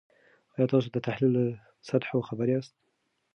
آیا تاسو د تحلیل له سطحو خبر یاست؟